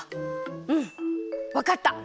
うんわかった。